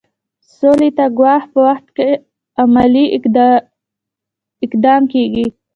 سولې ته د ګواښ په وخت کې عملي اقدام کیږي.